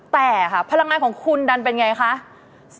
แต่ค่ะพลังงานของคุณดันเป็นไงคะ